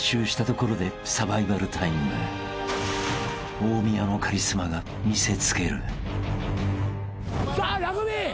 ［大宮のカリスマが見せつける］さあラグビー。